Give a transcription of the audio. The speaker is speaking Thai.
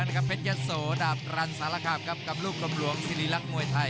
ส่วนศูนย์๑๖๖ซินิเมตรครับสองฟอร์มล่าสุดชนะรวดทั้งสองครั้งจากข้านมวยศรีรักษ์มวยไทย